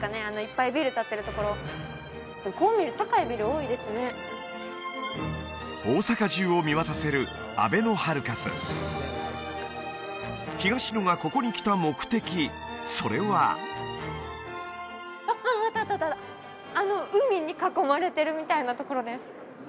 あのいっぱいビル立ってるところこう見ると高いビル多いですね大阪中を見渡せるあべのハルカス東野がここに来た目的それはあっあったあったあったあの海に囲まれてるみたいなところです